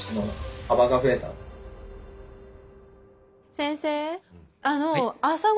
先生？